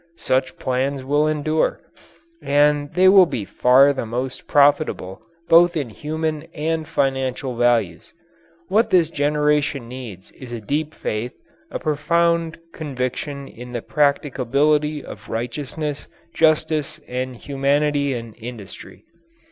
Such plans will endure and they will be far the most profitable both in human and financial values. What this generation needs is a deep faith, a profound conviction in the practicability of righteousness, justice, and humanity in industry.